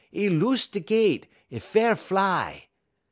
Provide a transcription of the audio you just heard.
'E loose de gett, 'e fair fly.